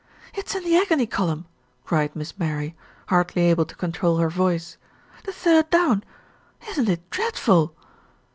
"It's in the agony column," cried Miss Mary, hardly able to control her voice. "The third down. Isn't it dreadful?"